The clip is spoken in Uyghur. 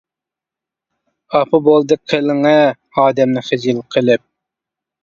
-ئاپا. بولدى قىلىڭە ئادەمنى خىجىل قىلىپ.